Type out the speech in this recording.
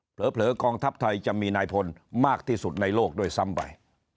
กองทัพไทยจะมีนายพลมากที่สุดในโลกด้วยซ้ำไป